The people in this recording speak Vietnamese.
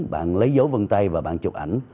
bạn lấy dấu vân tay và bạn chụp ảnh